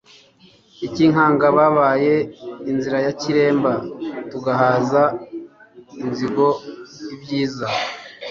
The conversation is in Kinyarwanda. I Cyinkanga babaye inzira ya Kireremba, tugaheza inzigo i Byiza.